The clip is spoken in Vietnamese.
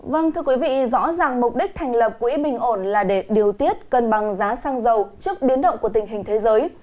vâng thưa quý vị rõ ràng mục đích thành lập quỹ bình ổn là để điều tiết cân bằng giá xăng dầu trước biến động của tình hình thế giới